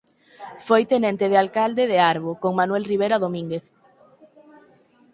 Foi tenente de alcalde de Arbo con Manuel Rivera Domínguez.